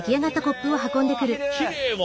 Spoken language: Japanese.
きれいわ。